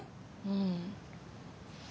うん。